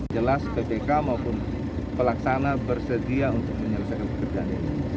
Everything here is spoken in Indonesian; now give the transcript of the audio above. jelas ppk maupun pelaksana bersedia untuk menyelesaikan pekerjaan ini